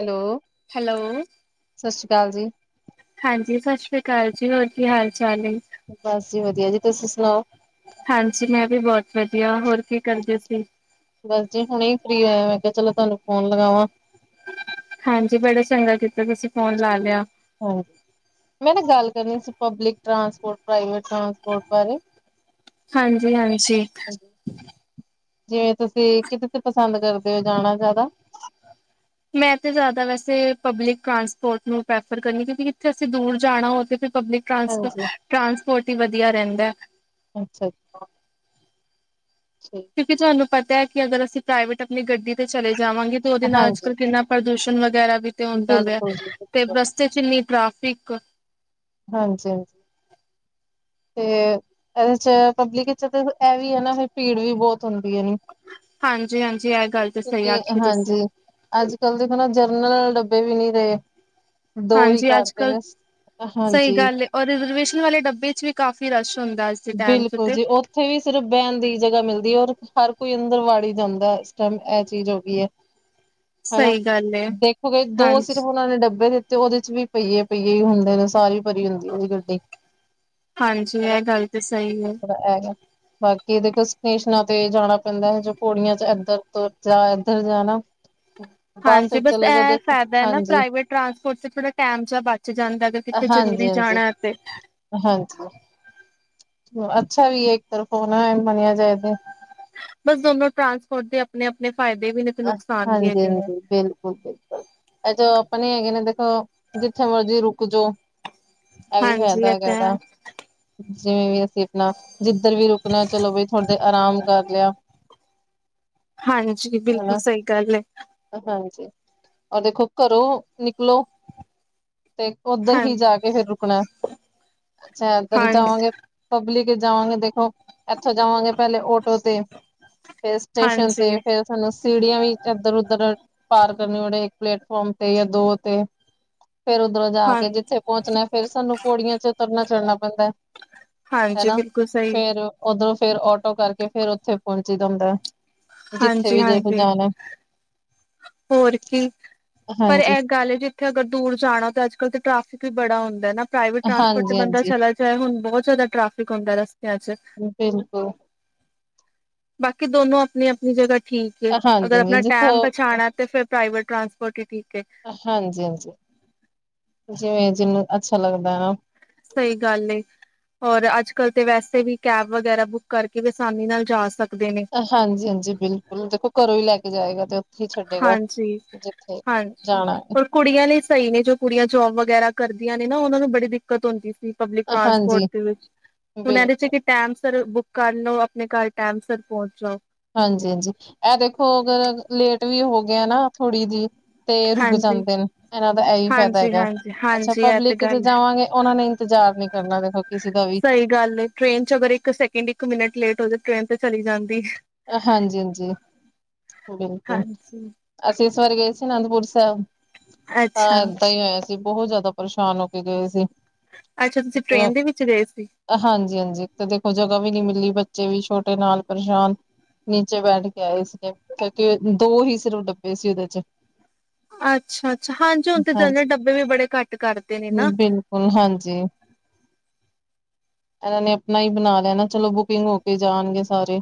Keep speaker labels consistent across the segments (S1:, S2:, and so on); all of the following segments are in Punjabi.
S1: ਹੈਲੋ।
S2: ਹੈਲੋ।
S1: ਸਤਿ ਸ਼੍ਰੀ ਅਕਾਲ ਜੀ।
S2: ਹਾਂਜੀ ਸਤਿ ਸ੍ਰੀ ਅਕਾਲ ਜੀ ਹੋਰ ਕੀ ਹਾਲ ਚਾਲ ਹੈ।
S1: ਬਸ ਜੀ ਵਧੀਆ ਜੀ ਤੁਸੀਂ ਸੁਣਾਓ।
S2: ਹਾਂਜੀ ਮੈਂ ਵੀ ਬਹੁਤ ਵਧੀਆ ਹੋਰ ਕੀ ਕਰਦੇ ਸੀ।
S1: ਬਸ ਜੀ ਹੁਣੇ ਫਰੀ ਹੋਏਆ ਮੈਂ ਕਿਹਾ ਚਲੋ ਤੁਹਾਨੂੰ ਫੋਨ ਲਗਾਵਾਂ।
S2: ਹਾਂਜੀ ਬੜਾ ਚੰਗਾ ਕੀਤਾ, ਤੁਸੀਂ ਫੋਨ ਲਾ ਲਿਆ।
S1: ਹਾਂ। ਮੈਂ ਨਾ ਗੱਲ ਕਰਨੀ ਸੀ ਪਬਲਿਕ ਟਰਾਂਸਪੋਰਟ, ਪ੍ਰਵੇਟ ਟਰਾਂਸਪੋਰਟ ਬਾਰੇ।
S2: ਹਾਂਜੀ-ਹਾਂਜੀ।
S1: ਜਿਵੇਂ ਤੁਸੀਂ ਕਿਦੇ ਤੇ ਪਸੰਦ ਕਰਦੇ ਹੋ ਜਾਣਾ ਜ਼ਿਆਦਾ।
S2: ਮੈਂ ਤੇ ਜ਼ਿਆਦਾ ਵੈਸੇ ਪਬਲਿਕ ਟਰਾਂਸਪੋਰਟ ਨੂੰ ਪ੍ਰੈਫਰ ਕਰਨੀ। ਕਿਉਂਕਿ ਜਿੱਥੇ ਅਸੀਂ ਦੂਰ ਜਾਣਾ ਹੋਏ ਤੇ ਫਿਰ ਪਬਲਿਕ
S1: ਹਾਂਜੀ,
S2: ਟਰਾਂਸਪੋਰਟ ਹੀ ਵਧੀਆ ਰਹਿੰਦਾਂ ਹੈ।
S1: ਅੱਛਾ-ਅੱਛਾ। ੀਕ [inaudible]
S2: ਕਿਉਂਕਿ ਤੁਹਾਨੂੰ ਪਤਾ ਹੈ ਕਿ ਅਗਰ ਅਸੀਂ ਪ੍ਰਾਈਵੇਟ ਆਪਣੀ ਗੱਡੀ ਤੇ ਚਲੇ ਜਾਵਾਂਗੇ ਤੇ ਉਹਦੇ ਨਾਲ ਅੱਜ
S1: ਹਾਂਜੀ,
S2: ਕੱਲ ਕਿੰਨਾ ਪ੍ਰਦੂਸ਼ਣ ਵਗੈਰਾ ਵੀ ਤੇ ਹੁੰਦਾ ਪਿਆ।
S1: ਬਿਲਕੁਲ ਜੀ
S2: ਤੇ
S1: ਬਿਲਕੁਲ।
S2: ਬਸ ਚ ਇੰਨੀ ਟ੍ਰੈਫਿਕ।
S1: ਹਾਂਜੀ-ਹਾਂਜੀ। ਤੇ ਇਹਦੇ ਚ ਪਬਲਿਕ ਵਿਚ ਤੇ ਇਹ ਵੀ ਹੈ ਨਾ ਫਿਰ ਭੀੜ ਵੀ ਬਹੁਤ ਹੁੰਦੀ ਹੈ ਨਾ।
S2: ਹਾਂਜੀ-ਹਾਂਜੀ ਇਹ ਗੱਲ ਤਾਂ ਸਹੀ ਆਖੀ ਤੁਸੀਂ।
S1: ਅੱਜ ਕੱਲ ਦੇਖੋ ਨਾ ਜਰਨਰਲ ਡੱਬੇ ਵੀ ਨਹੀਂ ਰਹੇ ਦੋ ਹੀ
S2: ਹਾਂਜੀ ਅੱਜ
S1: ਕਰਦੇ
S2: ਕੱਲ੍ਹ
S1: ਨੇ।
S2: ਸਹੀ
S1: ਹਾਂਜੀ
S2: ਗੱਲ ਏ। ਔਰ ਰਿਜ਼ਰਵੇਸ਼ਨ ਵਾਲੇ ਡੱਬੇ ਚ ਵੀ ਕਾਫ਼ੀ ਰਾਸ਼ ਹੁੰਦਾ। ਦੇ ਟਾਈਮ ਚ
S1: ਬਿਲਕੁਲ
S2: ਤੇ
S1: ਜੀ ਉਹ ਉੱਥੇ ਵੀ ਸਿਰਫ ਬਹਿਣ ਦੀ ਜਗ੍ਹਾ ਮਿਲਦੀ ਏ। ਔਰ ਹਰ ਕੋਈ ਅੰਦਰ ਵਾੜੀ ਜਾਂਦਾ ਇਸ ਟੈਮ ਇਹ ਚੀਜ਼ ਹੋ ਗਈ ਹੈ। ਹਨਾ
S2: ਸਹੀ ਗੱਲ ਏ
S1: ਦੇਖੋਗੇ ਦੋ ਸਿਰਫ਼
S2: ਹਾਂਜੀ
S1: ਉਹਨਾਂ ਨੇ ਡੱਬੇ ਦਿੱਤੇ। ਤੇ ਉਹਦੇ ਚ ਵੀ ਪਹੀਏ-ਪਈਏ ਹੀ ਹੁੰਦੇ ਨੇ, ਸਾਰੀ ਭਰੀ ਹੁੰਦੀ ਉਹਦੀ ਗੱਡੀ।
S2: ਹਾਂਜੀ
S1: ਹਨਾ
S2: ਇਹ ਗੱਲ ਤੇ ਸਹੀ ਹੈ।
S1: ਥੋੜਾ ਹੈਗਾ। ਬਾਕੀ ਦੇਖੋ ਸਟੇਸ਼ਨਾਂ ਤੇ ਜਾਣਾ ਪੈਂਦੈ ਹੈ ਜੋ ਪੋੜੀਆਂ ਚ ਇਧਰ ਤੋਂ ਜਾ ਇੱਧਰ ਜਾ ਨਾ। ਹਮ।
S2: ਹਾਂਜੀ ਬਸ ਇਹ ਫਾਇਦਾ ਹੈ ਨਾ ਪ੍ਰਾਈਵੇਟ ਟਰਾਂਸਪੋਰਟ ਚ ਥੋੜ੍ਹਾ ਟਾਈਮ ਜਾਹਾ ਬਚ ਜਾਂਦਾ ਹੈ, ਅਗਰ ਕਿੱਥੇ
S1: ਹਾਂਜੀ
S2: ਜ਼ਰੂਰੀ
S1: ਹਾਂਜੀ
S2: ਜਾਣਾ ਏ ਫ [unintelligible] [inaudible]
S1: ਹਾਂਜੀ। ਅੱਛਾ ਵੀ ਇਹ ਇੱਕ ਤਰਫੋਂ ਹੋਣਾ ਮੰਨਿਆ ਜਾਏ ਤੇ।
S2: ਬਸ ਦੋਨੋ ਟਰਾਂਸਪੋਰਟ ਦੇ ਆਪਣੇ-ਆਪਣੇ ਫਾਇਦੇ ਵੀ ਨੇ। ਤੇ ਨੁਕਸਾਨ ਵੀ ਹੈਗੇ ਨੇ
S1: ਹਾਂਜੀ-ਹਾਂਜੀ, ਬਿਲਕੁਲ-ਬਿਲਕੁਲ। ਇਹ ਜੋ ਆਪਾਂਣੇ ਹੈਗੇ ਨੇ ਦੇਖੋ ਜਿੱਥੇ ਮਰਜ਼ੀ ਰੁਕ ਜਾਓ। ਐ ਵੀ
S2: ਹਾਂਜੀ
S1: ਫਾਇਦਾ
S2: ਇਹ
S1: ਹੈਗਾ
S2: ਤਾਂ
S1: ਇਹਦਾ।
S2: ਹੈ
S1: ਜਿਵੇਂ ਵੀ ਅਸੀਂ ਆਪਣਾ ਜਿੱਧਰ ਵੀ ਰੁਕਣਾ ਚਲੋ ਬਈ ਥੋੜ੍ਹੀ ਦੇਰ ਆਰਾਮ ਕਰ ਲਿਆ।
S2: ਹਾਂਜੀ ਬਿਲਕੁਲ
S1: ਹਨਾ
S2: ਸਹੀ ਗੱਲ ਹੈ।
S1: ਹਾਂਜੀ ਔਰ ਦੇਖੋ ਘਰੋਂ ਨਿਕਲੋ ਤੇ ਉਧਰ
S2: ਹਾਂ
S1: ਹੀ ਜਾ ਕੇ ਫਿਰ ਰੁਕਣਾ ਅੱਛਾ ਇਧਰ
S2: ਹਾਂ
S1: ਜਾਵਾਂਗੇ। ਪਬਲਿਕ ਵਿੱਚ ਜਾਵਾਂਗੇ ਦੇਖੋ ਇੱਥੋਂ ਜਾਵਾਂਗੇ ਪਹਿਲੇ ਆਟੋ ਤੇ। ਫਿਰ ਸਟੇਸ਼ਨ ਤੇ
S2: ਹਾਂਜੀ
S1: ਫਿਰ ਸਾਨੂੰ ਸੀੜੀਆਂ ਵੀ ਇੱਧਰ ਉਧਰ ਪਾਰ ਕਰਨ ਪੈਂਦੀ, ਇੱਕ ਪਲੇੈਟਫੋਮ ਤੇ ਜਾਂ ਦੋ ਤੇ। ਫੇਰ ਉਧਰੋਂ ਜਾ
S2: ਹਾਂ
S1: ਕੇ ਜਿੱਥੇ ਪਹੁੰਚਣਾ ਏ, ਫੇਰ ਸਾਨੂੰ ਪੋੜੀਆਂ ਚ ਉਤਰਨਾ-ਚੜ੍ਹਨਾ ਪੈਂਦਾਏ।
S2: ਹਾਂਜੀ
S1: ਹਨਾ
S2: ਬਿਲਕੁਲ ਸਹੀ
S1: ਫੇਰ ਉਧਰੋਂ ਫੇਰ ਆਟੋ ਕਰਕੇ ਫੇਰ ਉਥੇ ਪਹੁੰਚੀਦਾ ਹੁੰਦਾਂ ਹੈ।
S2: ਹਾਂਜੀ।
S1: ਵਿਜੇ ਕੋਲ
S2: ਹਾਂਜੀ
S1: ਜਾਣਾ।
S2: ਹੋਰ ਕੀ ਪਰ
S1: ਹਾਂਜੀ
S2: ਇਹ ਗੱਲ ਜੇ ਉੱਥੇ ਅਗਰ ਦੂਰ ਜਾਣਾ ਤਾਂ ਅੱਜ-ਕੱਲ੍ਹ ਟ੍ਰੈਫਿਕ ਵੀ ਬੜਾ ਹੁੰਦਾ ਨਾ। ਪ੍ਰਾਈਵੇਟ ਟਰਾਂਸਪੋਰਟ ਤੇ
S1: ਹਾਂਜੀ
S2: ਬੰਦਾ
S1: ਹਾਂਜੀ
S2: ਚਲਾ ਜਾਏ, ਹੁਣ ਬਹੁਤ ਜ਼ਿਆਦਾ ਟ੍ਰੈਫਿਕ ਹੁੰਦਾ ਰਸਤਿਆਂ ਚ।
S1: ਬਿਲਕੁਲ
S2: ਬਾਕੀ ਦੋਨੋਂ ਆਪਣੀ ਆਪਣੀ ਜਗ੍ਹਾ ਠੀਕ ਏ,
S1: ਹਾਂਜੀ
S2: ਅਗਰ
S1: ਹਾਂਜੀ
S2: ਆਪਣਾ
S1: ਜਿੱਥੋਂ
S2: ਟਾਈਮ ਬਚਾਉਣਾ। ਪ੍ਰਾਈਵੇਟ ਟਰਾਂਸਪੋਰਟ ਹੀ ਠੀਕ ਹੈ।
S1: ਹਾਂਜੀ-ਹਾਂਜੀ, ਜਿਵੇਂ ਜਿਹਨੂੰ ਚੰਗਾ ਲੱਗਦਾ ਆ ਨਾ।
S2: ਸਹੀ ਗੱਲ ਏ। ਔਰ ਅੱਜਕੱਲ੍ਹ ਤਾਂ ਵੈਸੇ ਵੀ ਕੈਬ ਵਗੈਰਾ ਬੁੱਕ ਕਰਕੇ ਆਸਾਨੀ ਨਾਲ ਜਾ ਸਕਦੇ ਨੇ।
S1: ਹਾਂਜੀ-ਹਾਂਜੀ, ਬਿਲਕੁਲ। ਦੇਖੋ, ਘਰੋਂ ਹੀ ਲੈ ਕੇ ਜਾਏਗਾ ਤੇ। ਹੀ ਛੱਡੇਗਾ
S2: ਹਾਂਜੀ
S1: ਜਿੱਥੇ
S2: ਹਾਂਜੀ
S1: ਜਾਣਾ।
S2: ਔਰ ਕੁੜੀਆਂ ਲਈ ਸਹੀ ਨੇ, ਜੋ ਕੁੜੀਆਂ ਜੋਬ ਵਗੈਰਾ ਕਰਦੀਆਂ ਨੇ ਨਾ, ਉਹਨਾਂ ਨੂੰ ਬੜੀ ਦਿੱਕਤ ਹੁੰਦੀ ਸੀ। ਪਬਲਿਕ ਟਰਾਂਸਪੋਰਟ
S1: ਹਾਂਜੀ
S2: ਦੇ ਵਿੱਚ ਹੁਣ ਇਹਦੇ,
S1: ਬਿਲਕੁਲ
S2: ਚ। ਟਾਈਮ ਸਿਰ ਬੁੱਕ ਕਰ ਲਓ, ਆਪਣੇ ਘਰ ਟਾਈਮ ਸਿਰ ਪਹੁੰਚ ਜਾਓਗੇ।
S1: ਹਾਂਜੀ-ਹਾਂਜੀ, ਇਹ ਦੇਖੋ, ਅਗਰ ਲੇਟ ਵੀ ਹੋ ਗਿਆ ਨਾ ਥੋੜ੍ਹੀ ਜਿਹੀ। ਤੇ ਰੁਕ
S2: ਹਾਂਜੀ,
S1: ਜਾਂਦੇ ਨੇ, ਇਹਨਾਂ ਦਾ ਇਹੀ ਫਾਇਦਾ
S2: ਹਾਂਜੀ,
S1: ਹੈਗਾ।
S2: ਹਾਂਜੀ,
S1: ਅੱਛਾ,
S2: ਹਾਂਜੀ ਇਹ ਤੇ
S1: ਪਬਲਿਕ ਚ
S2: ਗੱਲ ਹੈ।
S1: ਜਾਵਾਂਗੇ, ਉਹਨਾਂ ਨੇ ਇੰਤਜ਼ਾਰ ਨੀ ਕਰਨਾ, ਦੇਖੋ ਕਿਸੇ ਦਾ ਵੀ।
S2: ਸਹੀ ਗੱਲ ਏ, ਟ੍ਰੇਨ ਚ ਅਗਰ ਇੱਕ ਸੈਕਿੰਡ, ਇੱਕ ਮਿੰਟ ਲੇਟ ਹੋ ਜਾਵੇ, ਟ੍ਰੇਨ ਤਾਂ ਚਲੀ ਜਾਂਦੀ।
S1: ਹਾਂਜੀ-ਹਾਂਜੀ। ਬਿਲਕੁਲ,
S2: ਹਾਂਜੀ,
S1: ਅਸੀਂ ਇਸ ਵਾਰ ਗਏ ਸੀ ਅਨੰਦਪੁਰ ਸਾਹਿਬ।
S2: ਅੱਛਾ,
S1: ਹਾਂ, ਇੱਦਾਂ ਹੀ ਹੋਇਆ ਸੀ, ਬਹੁਤ ਜ਼ਿਆਦਾ ਪਰੇਸ਼ਾਨ ਹੋ ਕੇ ਗਏ ਸੀ।
S2: ਅੱਛਾ, ਤੁਸੀਂ ਟ੍ਰੇਨ ਦੇ ਵਿੱਚ ਗਏ ਸੀ।
S1: ਹਾਂਜੀ, ਹਾਂਜੀ, ਤੇ ਦੇਖੋ ਜਗ੍ਹਾ ਵੀ ਨਹੀਂ ਮਿਲੀ, ਬੱਚੇ ਵੀ ਛੋਟੇ, ਨਾਲ ਪਰੇਸ਼ਾਨ। ਨੀਚੇ ਬੈਠ ਕੇ ਆਏ ਸੀ, ਕਿਉਂਕਿ ਦੋ ਹੀ ਸਿਰਫ਼ ਡੱਬੇ ਸੀ ਉਹਦੇ ਚ।
S2: ਅੱਛਾ, ਅੱਛਾ। ਹਾਂਜੀ, ਹੁਣ ਤਾਂ ਜਨਰਲ
S1: ਹਾਂਜੀ
S2: ਡੱਬੇ ਵੀ ਬੜੇ ਘੱਟ ਕਰ ਦਿੱਤੇ ਨੇ ਨਾ।
S1: ਹੁਨ ਹਾਂਜੀ। ਉਹਨੇ ਇੰਨਾ ਹੀ ਬਣਾ ਲੈਣਾ, ਚਲੋ ਬੁਕਿੰਗ ਹੋ ਕੇ ਜਾਣਗੇ ਸਾਰੇ।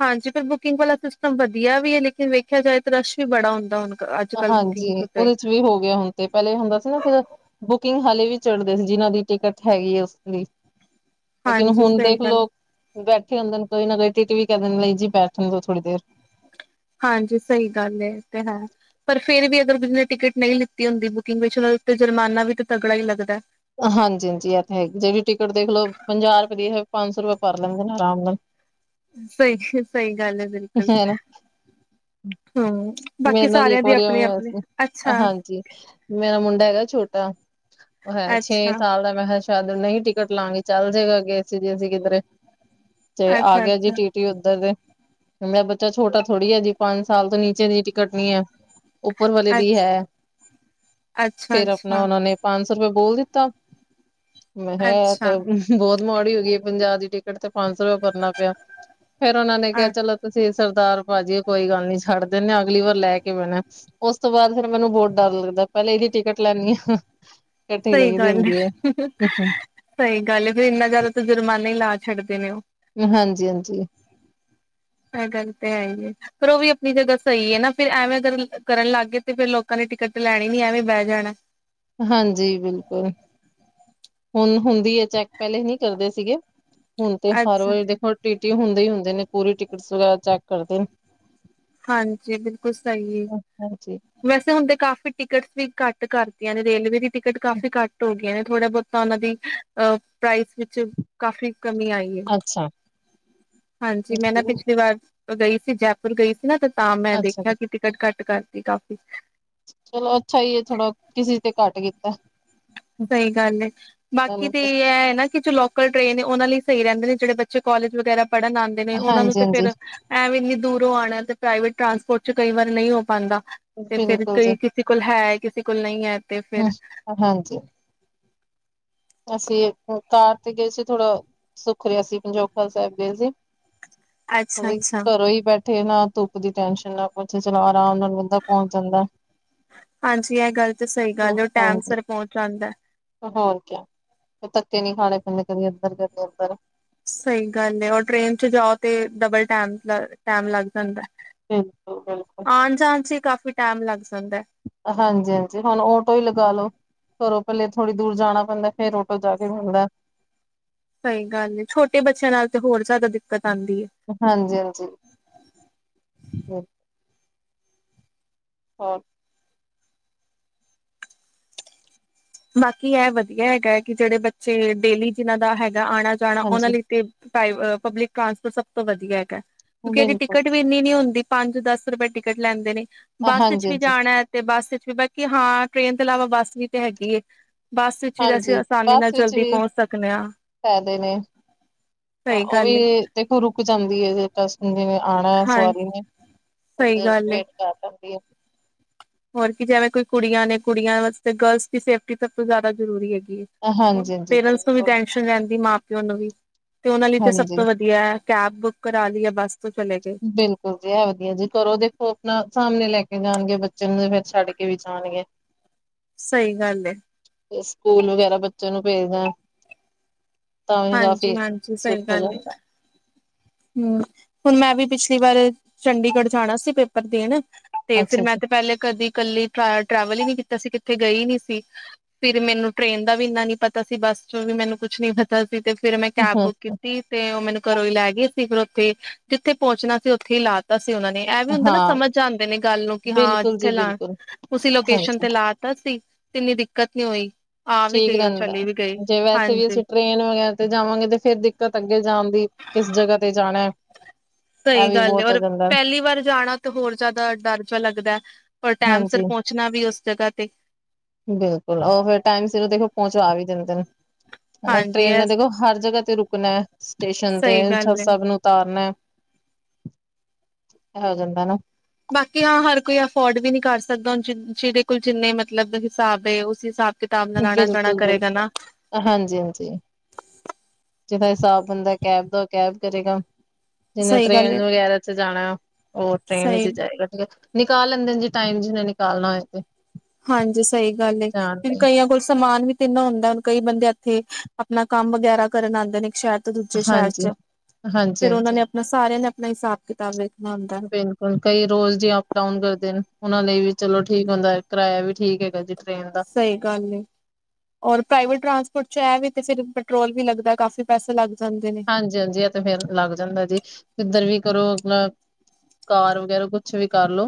S2: ਹਾਂਜੀ, ਫਿਰ ਬੁਕਿੰਗ ਵਾਲਾ ਸਿਸਟਮ ਵਧੀਆ ਵੀ ਏ, ਲੇਕਿਨ ਦੇਖਿਆ ਜਾਏ, ਰਸ਼ ਵੀ ਵੱਡਾ ਹੁੰਦਾ ਹੁਣ। ਅੱਜਕੱਲ੍ਹ ਬੁਕਿੰਗ
S1: ਹਾਂਜੀ।
S2: ਸੀਟ ਏ।
S1: ਉਹਦੇ ਚ ਵੀ ਹੋ ਗਿਆ ਹੁਣ ਤਾਂ, ਪਹਿਲਾਂ ਹੁੰਦਾ ਸੀ ਨਾ ਫੇਰ। ਬੁਕਿੰਗ ਹਾਲੇ ਵੀ ਚੜ੍ਹਦੇ ਨੇ, ਜਿਨ੍ਹਾਂ ਦੀ ਟਿਕਟ ਹੈਗੀ ਹੈ, ਉਸਦੀ। ਲੇਕਿਨ
S2: ਹਾਂਜੀ
S1: ਹੁਨ
S2: ਸਹੀ
S1: ਦੇਖ
S2: ਗੱਲ,
S1: ਲਓ। ਬੈਠੇ ਹੁੰਦੇ ਨੇ, ਕੋਈ ਨਾ ਕੋਈ ਟੀਟੀ ਵੀ ਕਹਿੰਦੇ ਨੇ, ਜੀ ਬੈਠੇ ਰਹੋ ਥੋੜ੍ਹੀ ਦੇਰ।
S2: ਹਾਂਜੀ ਸਹੀ ਗੱਲ ਏ ਰੇਹਾ। ਪਰ ਫੇਰ ਵੀ ਅਗਰ ਕਿਸੇ ਨੇ ਟਿਕਟ ਨਹੀਂ ਲਈ ਹੁੰਦੀ ਬੁਕਿੰਗ ਵਿੱਚ, ਉਹਨਾਂ ਤੇ ਜੁਰਮਾਨਾ ਵੀ ਤਾਂ ਤਗੜਾ ਹੀ ਲੱਗਦਾ।
S1: ਹਾਂਜੀ, ਹਾਂਜੀ, ਇਹ ਤਾਂ ਹੈ। ਜਿਹੜੀ ਟਿਕਟ ਦੇਖ ਲਓ, ਪੰਜਾਹ ਰੁਪਏ ਦੀ ਐ, ਪੰਜ ਸੌ ਰੁਪਏ ਭਰ ਲੈਂਦੇ ਨੇ ਆਰਾਮ ਨਾਲ।
S2: ਸਹੀ ਗੱਲ ਐ, ਬਿਲਕੁਲ।
S1: ਹਨਾ
S2: ਹੂੰ,
S1: ਮੇਰੇ
S2: ਬਾਕੀ
S1: ਨਾਲ
S2: ਸਾਰਿਆਂ
S1: ਇੱਕ
S2: ਦੀ
S1: ਵਾਰੀ ਐਵੇਂ
S2: ਆਪਣੀ
S1: ਹੋਇਆ
S2: ਆਪਣੀ,
S1: ਸੀ
S2: ਅੱਛਾ।
S1: ਹਾਂਜੀ। ਮੇਰਾ ਮੁੰਡਾ ਹੈਗਾ ਛੋਟਾ ਹੈ ਛੇ
S2: ਅੱਛਾ
S1: ਸਾਲ ਦਾ। ਮੈਂ ਕਿਹਾ, ਚਲੋ ਨਹੀਂ ਟਿਕਟ ਲਾਵਾਂਗੇ, ਚੱਲ ਜਾਏਗਾ ਅੱਗੇ ਅਸੀਂ ਜੇ ਕਿੱਧਰੇ। ਤੇ ਆ
S2: ਅੱਛਾ
S1: ਗਿਆ ਜੀ,
S2: ਅੱਛਾ
S1: ਟੀਟੀ। ਕਿ ਔਧਰ ਤਾਂ ਮੇਰਾ ਬੱਚਾ ਛੋਟਾ ਥੋੜ੍ਹੀ ਹੈ ਜੀ, ਪੰਜ ਸਾਲ ਤੋਂ ਹੇਠਾਂ ਦੀ ਟਿਕਟ ਨੀ ਐ। ਉੱਪਰ ਵਾਲੇ ਦੀ
S2: ਅੱਛਾ
S1: ਹੈ।
S2: ਅੱਛਾ
S1: ਫੇਰ ਆਪਨਾ
S2: ਅੱਛਾ
S1: ਉਨਾਂ ਨੇ। ਪੰਜ ਸੌ ਰੁਪਏ ਬੋਲ ਦਿੱਤਾ ਮੈਂ
S2: ਅੱਛਾ
S1: ਤਾਂ ਕੀ। ਬਹੁਤ ਮਾੜੀ ਹੋ ਗਈ ਐ, ਪੰਜਾਹ ਦੀ ਟਿਕਟ ਤੇ ਪੰਜ ਸੌ ਰੁਪਏ ਭਰਨਾ ਪਿਆ। ਫੇਰ ਉਹਨਾਂ ਨੇ ਕਿਹਾ,
S2: ਅ
S1: ਚਲੋ। ਤੁਸੀਂ ਸਰਦਾਰ ਭਾਅ ਜੀ, ਕੋਈ ਗੱਲ ਨਹੀਂ, ਛੱਡ ਦਿੰਦੇ। ਅਗਲੀ ਵਾਰ ਲੈ ਕੇ ਬਹਿਣਾ। ਉਸ ਤੋਂ ਬਾਅਦ ਫੇਰ ਮੈਨੂੰ ਬਹੁਤ ਡਰ ਲੱਗਦਾ, ਪਹਿਲਾਂ ਇਹਦੀ ਟਿਕਟ ਲੈਣੀ ਆਂ, ਕੱਠੀ ਲਈ। ਦੀ
S2: ਹਾਂਜੀ
S1: ਹੁੰਦੀ ਹੈ
S2: ਸਈ ਗਾੱਲ ਏ ਫੇਰ ਇਨਾ ਜਾਦਾ ਤਾਂ ਜੁਰਮਾਨਾ ਈ ਲਾ ਛੱਡਦੇ ਨੇ ਓ।
S1: ਹਾਂਜੀ-ਹਾਂਜੀ।
S2: ਐ ਗਂਤੇ ਆਏਗੇ। ਪਰ ਓ ਵੀ ਅਪਨੀ ਜਗਾ ਸਈ ਏ ਨਾ ਫੇਰ ਐਵੇ ਅਗਰ ਕਰਨ ਲਾੱਗ ਗਏ ਤੇ ਫੇਰ ਲੋਕਾਂ ਨੇ ਟਿਕਟ ਤੇ ਲੈਣੀ ਨੀ ਐਵੇ ਈ ਬੈ ਜਾਣੈ।
S1: ਹਾਂਜੀ ਬਿਲਕੁਲ, ਹੁਨ ਹੁੰਦੀ ਏ ਚੈਕ ਪੈਲੇ ਨੀ ਕਰਦੇ ਸੀਗੇ। ਹੁਨ ਤੇ ਹਰ
S2: ਅੱਛਾ
S1: ਵਾਰੀ ਦੇਖੋ ਟੀ ਟੀ ਹੁੰਦੇ ਈ ਹੁੰਦੇ ਨੇ ਪੂਰੀ ਟਿਕਟਸ ਵਗੈਰਾ ਚੈਕ ਕਰਦੇਨ।
S2: ਹਾਂਜੀ ਬਿਲਕੁਲ ਸਈ ਏ।
S1: ਹਾਂਜੀ।
S2: ਵੈਸੇ ਹੁਨਤੇ ਕਾਫ਼ੀ ਟਿਕਟਸ ਵੀ ਘਾੱਟ ਕਾਰਤਿਆਂ ਨੇ ਰੇਲਵੇ ਦੀ ਟਿਕਟ ਕਾਫੀ ਘਾੱਟ ਓ ਗੀਆ ਨੇ ਥੋੜੇ ਬੋਤ ਤਾ ਉਨਾ ਦੀ ਅ ਪ੍ਰਾਈਸ ਵਿੱਚ ਕਾਫੀ ਕਮੀ ਆਈ
S1: ਅੱਛਾ,
S2: ਹਾਂਜੀ ਮੈਂ ਨਾ ਪਿਛਲੀ ਵਾਰ ਅ ਗਈ ਸੀ ਜੈਪੁਰ ਗਈ ਸੀ ਨਾ ਤੇ ਤਾਂ ਮੈਂ
S1: ਅੱਛਾ
S2: ਦੇਖਯਾ
S1: ਜੀ
S2: ਕਿ ਟਿਕਟ ਘਾੱਟ ਕਾਰਤੀ ਕਾਫੀ।
S1: ਚਲੋ ਅੱਛਾ ਈ ਏ ਥੋੜਾ ਕਿ ਸੇਚ ਤੇ ਘਾੱਟ ਕੀਤੈ।
S2: ਸਈ ਗਾੱਲ ਏ, ਬਾਕੀ ਤੇ ਐ ਏ ਨਾ ਕਿ ਜੋ ਲੋਕਲ ਟ੍ਰੇਨ ਔਨਾ ਲਈ ਸਈ ਰੈਂਦੇ ਨੇ ਜੜੇ ਬੱਚੇ ਕੋਲੇਜ ਵਗੈਰਾ ਪੜਨ ਆਂਦੇ ਨੇ ਔਨਾਂ ਨੂੰ ਤੇ
S1: ਹਾਂਜੀ-ਹਾਂਜੀ
S2: ਫੇਰ ਐਂ ਵੀ ਇੰਨੀ ਦੂਰੋਂ ਆਣਾ ਤੇ ਪ੍ਰਾਈਵੇਟ ਟਰਾਂਸਪੋਰਟ ਚ ਕਈ ਵਾਰ ਨਈ ਓ ਪਾਂਦਾ। ਤੇ ਫੇਰ
S1: ਬਿਲਕੁਲ ਜੀ
S2: ਕਈ ਕਿਸੇ ਕੋਲ ਹੈ ਕਿਸੇ ਕੋਲ ਨਈ ਹੈ ਤੇ
S1: ਹੂੰ
S2: ਫੇਰ
S1: ਹਾਂਜੀ। ਅਸੀਂ ਕਾਰ ਤੇ ਗਏ ਸੀ ਥੋੜਾ ਸੁੱਖ ਰੇਆ ਸੀ ਪੰਜੋਖੜਾ ਸੈਬ ਗਏ ਸੀ।
S2: ਅੱਛਾ
S1: ਵੀ
S2: ਅੱਛਾ
S1: ਘਰੋਂ ਈ ਬੈ ਨਾ ਤੁੱਪ ਦੀ ਟੈਨਸ਼ਨ ਨਾ ਕੁਛ ਚਲੋ ਅਰਾਮ ਨਾਲ ਬੰਦਾ ਪੋਂਚ ਜਾਂਦੈ।
S2: ਹਾਂਜੀ ਐ ਗਾੱਲ ਤੇ ਸਈ ਗਾੱਲ ਏ ਓ ਟੈਮ
S1: ਹਾਂਜੀ
S2: ਸੇਰ ਪੋਂਚ ਜਾਂਦੈ।
S1: ਹੋਰ ਕਯਾ, ਤੱਕੇ ਨੀ ਖਾਣੇ ਪੈਂਦੇ ਕਦੀ ਐਦਰ ਕਦੀ ਔਦਰ।
S2: ਸਈ ਗਾੱਲ ਏ ਔਰ ਟ੍ਰੇਨ ਚ ਜਾਓ ਤੇ ਡਬਲ ਟੈਮ ਦਾ ਟੈਮ ਲਾੱਗ ਜਾਂਦੈ।
S1: ਹੂੰ। ਬਿਲਕੁਲ।
S2: ਆਨ ਜਾਨ ਚ ਈ ਕਾਫੀ ਟੈਮ ਲਾੱਗ ਜਾਂਦੈ।
S1: ਹਾਂਜੀ-ਹਾਂਜੀ ਹੋਨ ਓਟੋ ਈ ਲਗਾ ਲੋ। ਘਰੋਂ ਪੱਲੇ ਥੋੜੀ ਦੂਰ ਜਾਣਾ ਪੈਂਦੈ ਫੇਰ ਓਟੋ ਜਾ ਕੇ ਮਿਲਦੈ।
S2: ਸਈ ਗਾੱਲ ਏ ਛੋਟੇ ਬੱਚੇਆਂ ਨਾਲ ਤੇ ਹੋਰ ਜਾਦਾ ਦਿੱਕਤ ਆਂਦੀ ਏ।
S1: ਹਾਂਜੀ-ਹਾਂਜੀ। ਹੋਰ
S2: ਬਾਕੀ ਐ ਵਦੀਆ ਐਗੈ ਕਿ ਜੜੇ ਬੱਚੇ ਡੇਲੀ ਜਿਨਾਂ ਦਾ ਹੈਗੈ ਆਣਾ ਜਾਣਾ ਓਨਾ
S1: ਹਾਂਜੀ
S2: ਲਈ ਤੇ ਪ੍ਰਾਈਵ ਅ ਪਬਲਿਕ ਟਰਾਂਸਪੋਰਟ ਸੱਬ ਤੋ ਵਦੀਆ ਐਗੈ ਕਿਉਕਿ ਐਦੀ
S1: ਬਿਲਕੁਲ
S2: ਟਿਕਟ ਇੰਨੀ ਨੀ ਓਂਦੀ ਪਾਂਜ-ਦਾੱਸ ਰਪਏ ਟਿਕਟ ਲੈਂਦੇ ਨੇ, ਬੱਸ ਏਚ ਵੀ
S1: ਹਾਂਜੀ-ਹਾਂਜੀ, ਹਾਂਜੀ
S2: ਜਾਣੈ ਤੇ ਬੱਸ ਇਚ ਵੀ ਬਾਕੀ ਹਾਂ ਟ੍ਰੇਨ ਤੋਂ ਅਲਾਵਾ ਬੱਸ ਵੀ ਤੇ ਹੈਗੀ ਏ। ਬੱਸ ਵਿੱਚ ਵੀ ਅਸੀਂ
S1: ਹਾਂਜੀ
S2: ਆਸਾਨੀ ਨਾਲ
S1: ਬੱਸ ਵਿੱਚ
S2: ਜਲਦੀ
S1: ਵੀ,
S2: ਪਹੁੰਚ ਸਕਦੇ ਹਾਂ
S1: ਫੈਦੇ ਨੇ। ਹਾ
S2: ਸਹੀ
S1: ਓ ਵੀ
S2: ਗੱਲ ਏ
S1: ਦੇਖੋ ਰੁਕ ਜਾਂਦੀ ਏ [unintelligible] ਨੇ ਆਣੈ
S2: ਹਾਂ
S1: ਸਵਾਰੀ ਨੇ ਥੋੜੀ
S2: ਸਹੀ
S1: ਦੇਰ
S2: ਗੱਲ ਏ
S1: ਵੇਟ ਕਾਰ ਲੈਂਦੀ ਏ।
S2: ਹੋਰ ਕੀ ਜੈਵੇ ਕੋਈ ਕੁੜੀਆਂ ਨੇ ਕੁੜੀਆਂ ਵਸਤੇ ਗੱਲਸ ਦੀ ਸੇਫਟੀ ਸੱਬ ਤੋ ਜਾਦਾ ਜਰੂਰੀ ਐਗੀ ਏ। ਹੁਨ
S1: ਹਾਂਜੀ-ਹਾਂਜੀ
S2: ਪੇਰੇਂਸ ਨੂੰ ਵੀ
S1: ਬਿਲਕੁਲ
S2: ਟੈਸ਼ਨ ਰੈਂਦੀ ਮਾਂ-ਪਯੈ ਨੂੰ ਵੀ, ਤੇ ਓਨਾਂ ਲਈ ਤੇ ਸੱਬ
S1: ਹਾਂਜੀ
S2: ਤੋ ਵਦੀਐ। ਕੈਬ ਬੁੱਕ ਕਰਾ ਲੀ ਯਾ ਬੱਸ ਤੋ ਚਲੇ ਗੇ।
S1: ਬਿਲਕੁਲ ਜੀ ਐ ਵਦੀਆ ਜੇ ਘੱਰੋ ਦੇਖੋ ਅਪਨਾ ਸਾਮਨਯੋ ਲੈ ਕੇ ਜਾਨਗੇ ਬੱਚੇ ਨੂੰ ਤੇ ਫੇਰ ਛੱਡ ਕੇ ਵੀ ਜਾਨਗੇ। [inaudible]
S2: ਸਈ ਗਾੱਲ ਏ।
S1: ਫੇਰ ਸਕੂਲ ਵਗੈਰਾ ਬੱਚੇ ਨੂੰ ਭੇਜਣਾ ਤਾਂ ਵੀ ਕਾਫੀ,
S2: ਹਾਂਜੀ ਹਾਂਜੀ
S1: ਸੁੱਖ ਹੋ ਜਾਂਦਾ
S2: ਹੁ ਹੁਣ ਮੈਂ ਵੀ ਪਿਛਲੀ ਵਾਰ ਚੰਡੀਗੜ੍ਹ ਜਾਣਾ ਸੀ ਪੇਪਰ ਦੇਣ ਤੇ ਫਿਰ
S1: ਅੱਛਾ-ਅੱਛਾ
S2: ਮੈਂ ਤੇ ਪੈਲੇ ਕਦੀ ਕੱਲੀ ਟਰੈ, ਟਰੈਵਲ ਈ ਨੀ ਕੀਤਾ ਸੀ, ਕਿਥੇ ਗਈ ਨੀ ਸੀ। ਫਿਰ ਮੈਨੂੰ ਟ੍ਰਰੇਨ ਦਾ ਵੀ ਇੰਨਾ ਨੀ ਪਤਾ ਸੀ, ਬੱਸ ਚ ਵੀ ਮੈਨੂੰ ਕੁਛ ਨੀ ਪ ਸੀ, ਤੇ ਫੇਰ ਮੈਂ ਕੈਬ ਬੁੱਕ ਕੀਤੀ ਤੇ ਓ ਮੈਨੂੰ ਘਰੋਂ ਹੀ ਲੈ ਗਏ ਸ ਫਿਰ ਓਥੇ, ਜਿੱਥੇ ਪੋਚਣਾ ਸੀ, ਉੱਥੇ ਈ ਲਾਤਾ ਸੀ ਓਨਾਂ ਨੇ। ੲੈ ਵੀ ਹੁੰਦਾ ਨਾ,
S1: ਹਾਂ
S2: ਸਮਝ ਜਾਦੇ ਨੇ ਗੱਲ ਨੂੰ ਕਿ ਹਾਂ,
S1: ਬਿਲਕੁਲ
S2: ਜਿੱਥੇ
S1: ਜੀ
S2: ਲਾਣ,
S1: ਬਿਲਕੁਲ
S2: ਤੁਸੀਂ ਲੋਕੇਸ਼ਨ
S1: ਹਾਂਜੀ
S2: ਤੇ ਲਾ ਪਸੀ, ਤਿੰਨੀ ਦਿੱਕਤ ਨੀ ਹੋਈ ਆ, ਵੀ
S1: ਠੀਕ
S2: ਗਏ ਓ
S1: ਰਹਿੰਦਾ
S2: ਚਲੇ ਵੀ ਗਏ,
S1: ਹੈ। ਜੇ ਵੈਸੇ ਵੀ
S2: ਹਾਂਜੀ
S1: ਅਸੀਂ ਟ੍ਰੇਨ ਵਗੈਰਾ ਤੇ ਜਾਵਾਂਗੇ ਤੇ ਫੇਰ ਦਿੱਕਤ ਅੱਗੇ ਜਾਣ ਦੀ, ਕਿਸ ਜਗ੍ਹਾ ਤੇ ਜਾਣਾ ਐ।
S2: ਸਈ ਗੱਲ ਔਰ, ਪੈਲੀ ਵਾਰ ਜਾਣਾ ਤਾਂ ਹੋਰ ਜਾਦਾ ਡੱਰ ਪੇਆ ਲੱਗਦਾ। ਔਰ ਟੈਮ ਸੇਰ
S1: ਹਾਂਜੀ
S2: ਪੋਚਣਾ ਵੀ ਉਸ ਜਗ੍ਹਾ ਤੇ
S1: ਬਿਲਕੁਲ ਓ ਫੇਰ ਟਾਈਮ ਸਿਰ ਦੇਖੋ ਪੋਚਾ, ਵੀ ਦਿੰਦੇ ਨੇ। ਹਨਾ,
S2: ਹਾਂਜੀ
S1: ਟ੍ਰੇਨ
S2: ਇਹ
S1: ਨੇ ਦੇਖੋ ਹਰ ਜਗਾ ਤੇ ਰੁਕਣੈ ਸਟੇਸ਼ਨ ਤੇ,
S2: ਸਹੀ
S1: ਛ
S2: ਗੱਲ ਹੈ।
S1: ਸਭ ਨੂੰ ਤਾਰਨੈ, ਹੋ ਜਾਂਦਾ ਨਾ
S2: ਬਾਕੀ ਆਂ ਹੱਰ ਕੋਈ ਅਫੋਰਡ ਵੀ ਨੀ ਕੱਰ ਸਕਦਾ ਜਿ, ਜਿਦੇ ਕੋਲ ਜਿੰਨੇ ਮਤਲਬ ਹਿਸਾਬ ਦੇ, ਉਸ ਹਿਸਾਬ ਕਿਤਾਬ ਨਾਲ ਅੱਣਾ-ਜੱਣਾ ਕਰੇਗਾ ਨਾ।
S1: ਹਾਂਜੀ-ਹਾਂਜੀ, ਜਿਥਾ ਹਿਸਾਬ ਹੁੰਦਾ ਕੈਬ ਦਾ ਕੈਬ ਕਰੇਗਾ। ਜਿਨੇ
S2: ਸਹੀ ਗੱਲ ਹੈ
S1: ਟ੍ਰੇਨ ਵਗੈਰਾ ਚ ਜਾਣਾ, ਓ ਟ੍ਰੇਨ ਵਿੱਚ
S2: ਸਹੀ
S1: ਜਾਏਗਾ, ਠੀਕ ਐ ਨਿਕਾਲ ਲੈਂਦੇ ਜੀ, ਟਾਈਮ ਜਿਨੇ ਨਿਕਾਲਣਾ ਹੋਏ ਤੇ
S2: ਹਾਂਜੀ ਸਈ ਗੱਲ ਏ,
S1: ਜਾਣ
S2: ਫਿ
S1: ਲਈ
S2: ਕਈਆਂ ਕੋਲ ਸਮਾਨ ਵੀ ਤਿੰਨਾ ਹੁੰਦਾ, ਹੁਣ ਕਈ ਬੰਦੇ ਏਥੇ ਆਪਣਾ ਕੰਮ ਵਗੈਰਾ ਕਰਨ ਆਦੇ ਨੇ ਕੇ ਸ਼ੈਦ ਤੇ ਦੂਜੇ ਸ਼ੈਰ
S1: ਹਾਂਜੀ
S2: ਚ,
S1: ਹਾਂਜੀ
S2: ਫੇਰ ਓਨਾਂ
S1: ਹਾਂਜੀ
S2: ਨੇ ਅਪਣਾ ਸਾਰੇਆਂ ਨੇ ਆਪਣਾ ਹਿਸਾਬ-ਕਿਤਾਬ ਵੇਖਣਾ ਹੁੰ
S1: ਪਿਕੁਲ ਕਈ ਰੋਜ਼ ਜੇ ਅੱਪ-ਡਾਊਨ ਕਰਦੇ ਨੇ, ਓਨਾਂ ਲਈ ਵੀ ਚਲੋ ਠੀਕ ਹੁੰਦਾ ਏ, ਕਿਰਾਆ ਵੀ ਠੀਕ ਹੈਗਾ ਜੇ ਟ੍ਰਰੇਨ ਦਾ
S2: ਸਈ ਗੱਲ ਏ। ਔਰ ਪ੍ਰਾਈਵੇਟ ਟਰਾਂਸਪੋਰਟ ਚ ੲੈ ਵੇ ਕੇ ਫਿਰ ਪੈਟਰੋਲ ਵੀ ਲੱਗਦਾ, ਕਾਫੀ ਪੈਸੇ ਲੱਗ ਜਾਂਦੇ ਨੇ
S1: ਹਾਂਜੀ-ਹਾਂਜੀ ੲੈ ਤੇ ਫੇਰ ਲੱਗ ਜਾਂਦਾ ਜੀ, ਕਿੱਧਰ ਵੀ ਕਰੋ ਲ ਕਾਰ ਵਗੈਰਾ ਕੁਛ ਵੀ ਕੱਰ ਲੋ।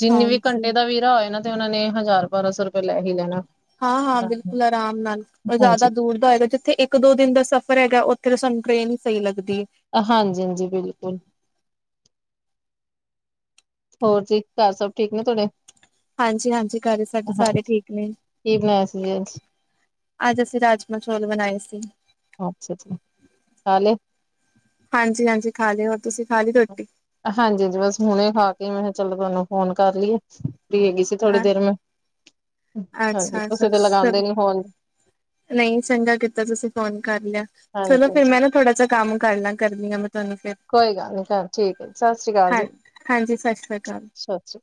S1: ਜਿੰਨੇ ਵੀ
S2: ਹਾਂਜੀ।
S1: ਘੰਟੇ ਦਾ ਵੀਰਾ ਹੋਏ ਨਾ ਤੇ, ਓਨਾਂ ਨੇ ਹਜ਼ਾਰ-ਬਾਰਾਂ ਸੌ ਰੁਪਏ ਲੈ ਹੀ ਲੈਣਾ।
S2: ਹਾਂ-ਹਾਂ
S1: ਹਾਂਜੀ
S2: ਬਿਲਕੁਲ, ਅਰਾਮ ਨਾਲ, ਜਾਦਾ
S1: ਹਾਂਜੀ
S2: ਦੂਰ ਦਾ ਹੋਏਗਾ, ਜਿੱਥੇ ਏ ਕ-ਦੋ ਦਿਨ ਦਾ ਸਫ਼ਰ ਹੈਗਾ, ਉੱਥੇ ਤਾਂ ਸਾਨੂੰ ਟ੍ਰੇਨ ਈ ਸਈ ਲੱਗਦੀ ਏ।
S1: ਹਾਂਜੀ-ਹਾਂਜੀ, ਬਿਲਕੁਲ। ਹੋਰ ਜੀ, ਘੱਰ ਸਭ ਠੀਕ ਨੇ ਤੋਡੇ।
S2: ਹਾਂਜੀ-ਹਾਂਜੀ, ਘੱਰ ਸਾਡੇ ਸਾਰੇ ਠੀਕ ਨੇ।
S1: ਕੀ ਬਣਾਇਆ ਸੀ ਜੀ ਅੱਜ
S2: ਅੱਜ ਅਸੀ ਰਾਜਮਾ-ਚੋਲ ਬਣਾਏ ਸੀ।
S1: ਅੱਛਾ ਜੀ, ਖਾਲੇ।
S2: ਹਾਂਜੀ-ਹਾਂਜੀ ਖਾ ਲੇ, ਹੋਰ ਤੁਸੀਂ ਖਾ ਲੀ ਰੋਟੀ।
S1: ਹਾਂਜੀ-ਹਾਂਜੀ, ਬਸ ਹੁਣੇ ਖਾ ਕੇ, ਮੈਂ ਚੱਲ, ਤੁਹਾਨੂੰ ਫੋਨ ਕੱਰ ਲਿ ਏ, ਫ੍ਰੀ ਹੈਗੀ ਸੀ। ਥੋੜੀ
S2: ਅ
S1: ਦੇਰ ਮੈਂ, ਹਾਂਜੀ,
S2: ਅੱਛਾ-ਅੱਛਾ
S1: ਤੁਸੀਂ ਤੇ ਲਗਾਦੇ ਨੀ ਫੋਨ
S2: ਨਈ, ਚੰਗਾ ਕੀਤਾ ਤੁਸੀਂ ਫੋਨ ਕੱਰ ਲੇਆ ਚਲੋ,
S1: ਹਾਂਜੀ
S2: ਫੇਰ
S1: ਹਾਂਜੀ
S2: ਮੈਂ ਨਾ ਥੋੜਾ ਜਾ ਕੰਮ ਕੱਰ ਲਾਂ, ਕਰਦੀ ਆਂ ਮੈਂ ਤਵਾਨੂੰ ਫੇਰ।
S1: ਕੋਈ ਗੱਲ ਨੀ ਕਾਰ ਠੀਕ ਏ ਜੀ, ਸਸ਼੍ਰੀ ਕਾਲ ਜੀ,
S2: ਹਾਂਜੀ ਸਤਿ ਸ੍ਰੀ ਅਕਾਲ।
S1: ਸਸ਼੍ਰੀ